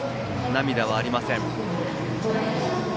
涙はありません。